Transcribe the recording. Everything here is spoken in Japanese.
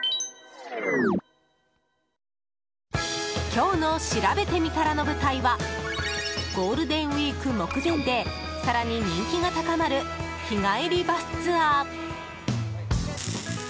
今日のしらべてみたらの舞台はゴールデンウィーク目前で更に人気が高まる日帰りバスツアー。